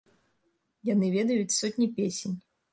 Яны ведаюць сотні песень.